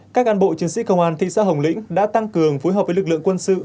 các cán bộ chiến sĩ công an thị xã hồng lĩnh đã tăng cường phối hợp với lực lượng quân sự